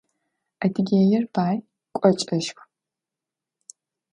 Адыгеир бай, кӏочӏэшху.